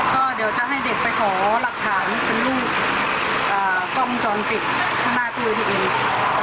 ก็เดี๋ยวถ้าให้เด็กไปขอรับฐานเป็นรูปกล้องจอมติดข้างหน้าตู้เอทีเอ็ม